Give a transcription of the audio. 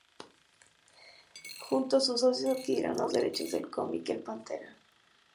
Junto a sus socios, adquirieron los derechos del cómic "El Pantera.